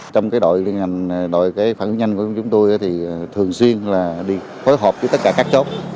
trong đội phản ứng nhanh của chúng tôi thì thường xuyên đi phối hợp với tất cả các chốt